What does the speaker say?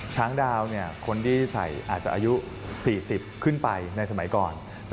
ช้างดาวคนที่ใส่อาจจะอายุ๔๐ขึ้นไปในสมัยก่อน